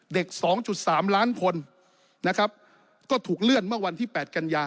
๒๓ล้านคนนะครับก็ถูกเลื่อนเมื่อวันที่๘กันยา